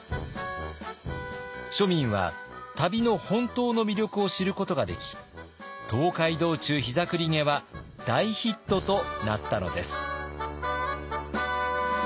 庶民は旅の本当の魅力を知ることができ「東海道中膝栗毛」は大ヒットとなったのです。